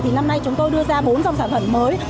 thì năm nay chúng tôi đưa ra bốn dòng sản phẩm mới